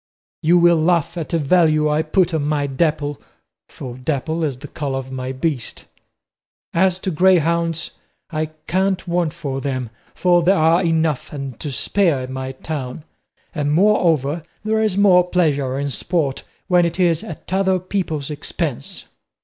You will laugh at the value I put on my Dapple for dapple is the colour of my beast. As to greyhounds, I can't want for them, for there are enough and to spare in my town; and, moreover, there is more pleasure in sport when it is at other people's expense."